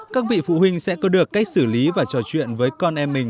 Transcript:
các vị phụ huynh sẽ có được cách xử lý và trò chuyện với con em mình